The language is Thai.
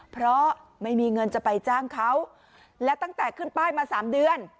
เพราะไม่มีเงินจะไปจ้างเขาและตั้งแต่ขึ้นป้ายมาสามเดือน